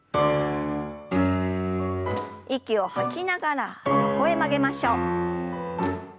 息を吐きながら横へ曲げましょう。